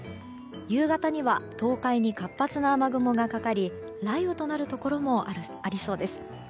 夕方には東海に活発な雨雲がかかり雷雨となるところもありそうです。